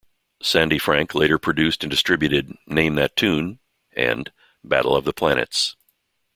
Sandy Frank later produced and distributed "Name That Tune" and "Battle of the Planets".